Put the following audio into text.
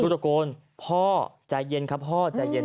ตะโกนพ่อใจเย็นครับพ่อใจเย็น